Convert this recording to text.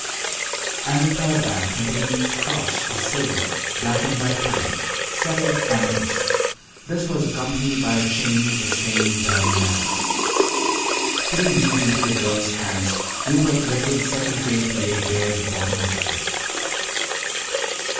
And the third bag contained a cross of silver, blackened by time, set with amethysts. This was accompanied by a chain of the same dull metal. Putting these into the girls' hands, Rupert lifted the second tray to lay bare the bottom of the chest.